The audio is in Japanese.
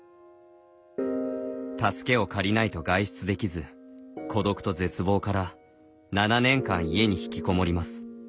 助けを借りないと外出ができず孤独と絶望から７年間家に引きこもります。